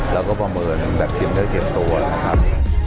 แล้วก็ประเมินแบบทีมเนื้อเก็บตัวนะครับ